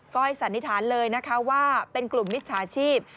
ก็ให้สันนิษฐานเลยนะคะว่าเป็นกลุ่มมิจฉาชีพ